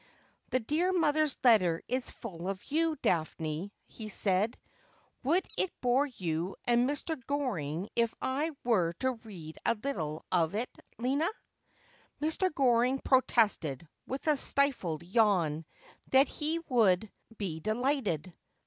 ' The dear mother's letter is full of you, Daphne,' he said ;' would it bore you and Mr. Goring if I were to read a little of it, Lina?' Mr. Goring protested, with a stifled yawn, that he would be delighted.